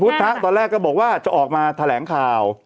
ส่วนพุทธภาพตอนแรกก็บอกว่าจะออกมาแถลงข่าว